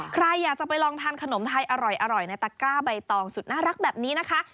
ใครอยากจะไปลองทานขนมไทยอร่อยในตะกร้าใบตองสุดน่ารักแบบนี้นะคะ